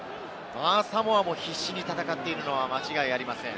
サモアも必死に戦っているのは間違いありません。